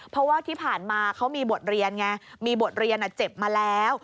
เพราะว่าที่ผ่านมาเขามีบทเรียนไงมีบทเรียนเจ็บมาแล้ว